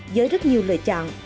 với rất nhiều lựa chọn